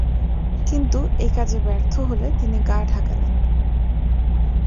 কিন্তু একাজে ব্যর্থ হলে তিনি গা ঢাকা দেন।